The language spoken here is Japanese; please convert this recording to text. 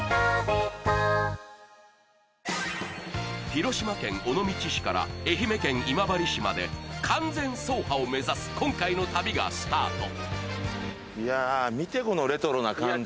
広島県尾道市から愛媛県今治市まで完全走破を目指す今回の旅がスタート。